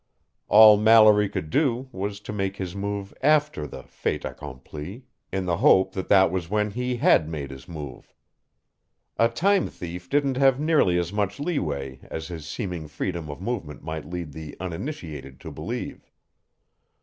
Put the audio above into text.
All Mallory could do was to make his move after the fait acccompli in the hope that that was when he had made his move. A time thief didn't have nearly as much leeway as his seeming freedom of movement might lead the uninitiated to believe.